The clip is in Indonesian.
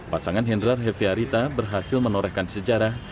pasangan hendrar hefi arita berhasil menorehkan sejarah